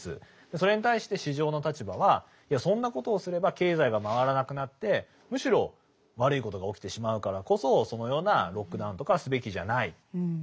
それに対して市場の立場はいやそんなことをすれば経済が回らなくなってむしろ悪いことが起きてしまうからこそそのようなロックダウンとかはすべきじゃない。